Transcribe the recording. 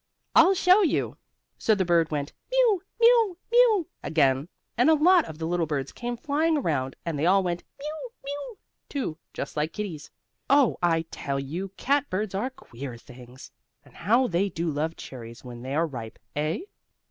"I'll show you." So the bird went "Mew! Mew! Mew!" again, and a lot of the little birds came flying around and they all went "Mew! Mew!" too, just like kitties. Oh, I tell you cat birds are queer things! and how they do love cherries when they are ripe! Eh?